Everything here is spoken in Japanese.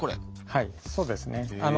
はいそうですね。